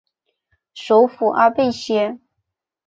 首府阿贝歇。